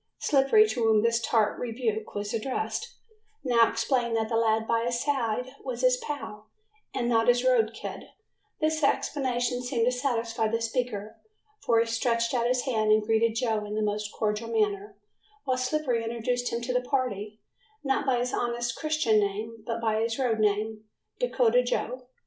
Slippery, to whom this tart rebuke was addressed, now explained that the lad by his side was his "pal", and not his road kid; this explanation seemed to satisfy the speaker for he stretched out his hand and greeted Joe in a most cordial manner, while Slippery introduced him to the party, not by his honest Christian name, but by his road name, "Dakota Joe".